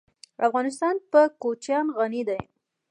افغانستان په کوچیان غني دی.